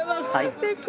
すてき。